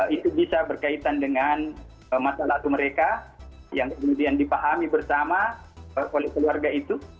itu bisa berkaitan dengan masalah itu mereka yang kemudian dipahami bersama oleh keluarga itu